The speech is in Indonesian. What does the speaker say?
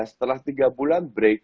setelah tiga bulan break